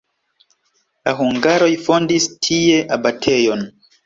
La hungaroj fondis tie abatejon.